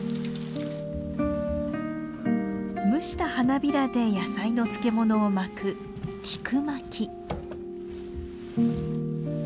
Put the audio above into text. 蒸した花びらで野菜の漬物を巻く菊巻き。